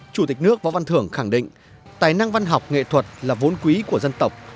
chủ tịch nước võ văn thưởng khẳng định tài năng văn học nghệ thuật là vốn quý của dân tộc